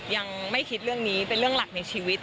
ยังไม่คิดเรื่องนี้เป็นเรื่องหลักในชีวิต